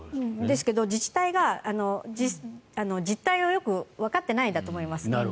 ですけど自治体が実態をよくわかってないんだと思います。